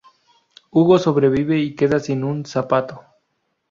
Hugo sobrevive y queda sin un zapato.